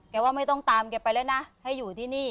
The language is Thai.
ว่าไม่ต้องตามแกไปแล้วนะให้อยู่ที่นี่